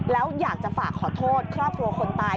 แล้วอยากจะฝากขอโทษครอบครัวคนตาย